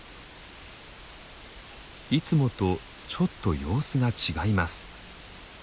いつもとちょっと様子が違います。